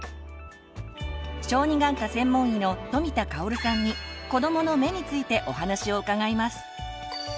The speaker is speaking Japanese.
小児眼科専門医の富田香さんに「子どもの目」についてお話を伺います。